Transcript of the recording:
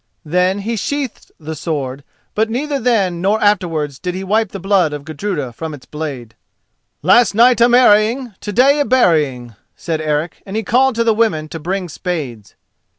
Then he sheathed the sword, but neither then nor afterwards did he wipe the blood of Gudruda from its blade. "Last night a marrying—to day a burying," said Eric, and he called to the women to bring spades.